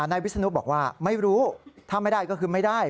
นายวิศนุบอกว่าไม่รู้ถ้าไม่ได้ก็คือไม่ได้